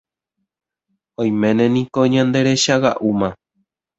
Oiméne niko ñanderechaga'úma